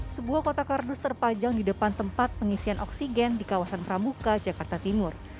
sebuah kotak kardus terpajang di depan tempat pengisian oksigen di kawasan pramuka jakarta timur